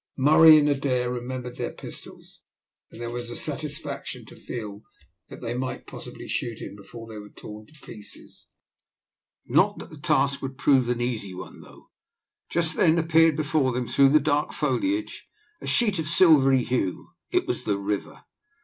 Murray and Adair remembered their pistols, and it was a satisfaction to feel that they might possibly shoot him before they were torn to pieces. Not that the task would prove an easy one though. Just then appeared before them through the dark foliage a sheet of silvery hue; it was the river.